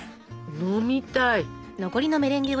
飲みたい。